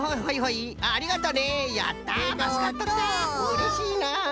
うれしいな。